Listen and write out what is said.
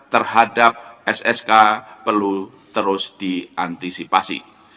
terhadap ssk perlu terus diantisipasi